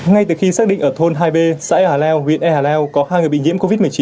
ngay từ khi xác định ở thôn hai b xã e hà leo huyện e hà leo có hai người bị nhiễm covid một mươi chín